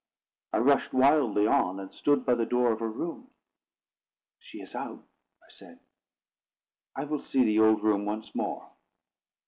I rushed wildly on, and stood by the door of her room. "She is out," I said, "I will see the old room once more."